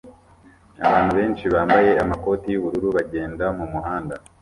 Abantu benshi bambaye amakoti yubururu bagenda mumuhanda